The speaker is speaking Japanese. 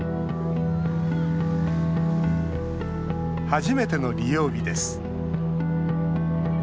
初めての利用日です。